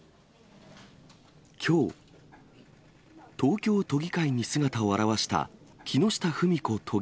きょう、東京都議会に姿を現した木下富美子都議。